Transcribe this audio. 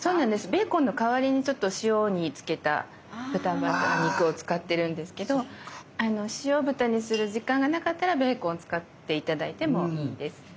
ベーコンの代わりに塩につけた豚バラ肉を使ってるんですけど塩豚にする時間がなかったらベーコン使って頂いてもいいです。